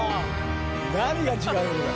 何が違うんだ。